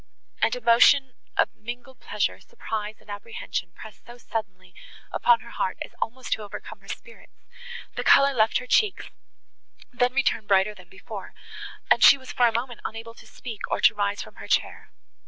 An emotion of mingled pleasure, surprise and apprehension pressed so suddenly upon her heart as almost to overcome her spirits; the colour left her cheeks, then returned brighter than before, and she was for a moment unable to speak, or to rise from her chair.